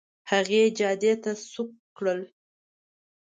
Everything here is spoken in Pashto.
هغې جادې ته سوق کړل.